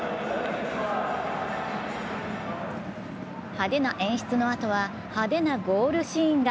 派手な演出のあとは派手なゴールシーンが。